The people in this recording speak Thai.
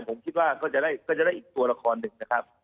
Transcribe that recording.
ผมคิดว่าก็จะได้อีกตัวละครหนึ่งนะครับ